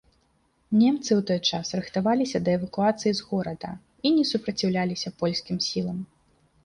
Немцы ў той час рыхтаваліся да эвакуацыі з горада і не супраціўляліся польскім сілам.